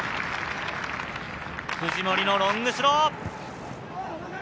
藤森のロングスロー。